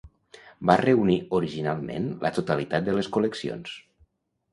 Va reunir originalment la totalitat de les col·leccions.